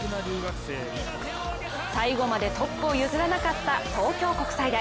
最後までトップを譲らなかった東京国際大。